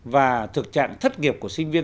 và thực trạng thất nghiệp của sinh viên